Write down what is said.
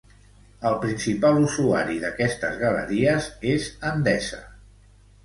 El principal usuari d'aquestes galeries és Endesa.